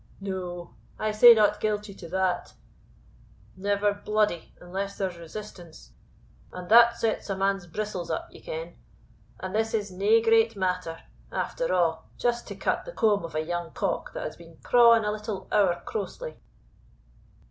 "No I say not guilty to that lever bluidy unless there's resistance, and that sets a man's bristles up, ye ken. And this is nae great matter, after a'; just to cut the comb of a young cock that has been crawing a little ower crousely."